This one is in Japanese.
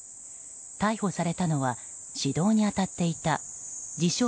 逮捕されたのは指導に当たっていた自称